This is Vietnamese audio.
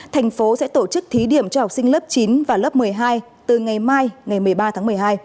thành phố sẽ tổ chức thí điểm cho học sinh lớp chín và lớp một mươi hai từ ngày mai ngày một mươi ba tháng một mươi hai